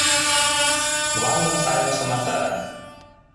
Мландым сайын шымата;